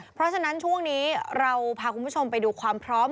เพราะฉะนั้นช่วงนี้เราพาคุณผู้ชมไปดูความพร้อม